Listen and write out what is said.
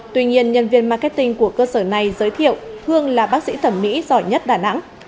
tuy nhiên nhân viên marketing của cơ sở này giới thiệu hương là bác sĩ thẩm mỹ giỏi nhất đà nẵng